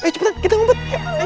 cepetan kita mumput